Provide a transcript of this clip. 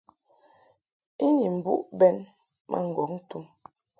I ni mbuʼ bɛn ma ŋgɔŋ tum.